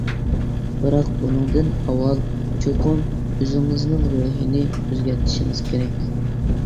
بىراق، بۇنىڭدىن ئاۋۋال چوقۇم ئۆزىڭىزنىڭ روھىنى ئۆزگەرتىشىڭىز كېرەك.